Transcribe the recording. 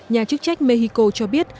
nhà chức trách mexico cho biết